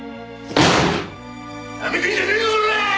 ナメてんじゃねえぞコラ！